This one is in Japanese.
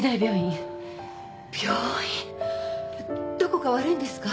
どこか悪いんですか？